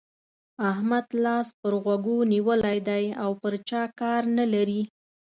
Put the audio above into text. احمد لاس پر غوږو نيولی دی او پر چا کار نه لري.